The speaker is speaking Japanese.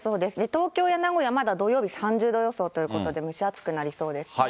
東京や名古屋、まだ土曜日３０度予想ということで、蒸し暑くなりそうですね。